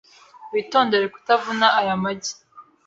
Witondere kutavuna aya magi.